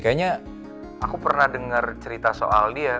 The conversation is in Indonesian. kayaknya aku pernah dengar cerita soal dia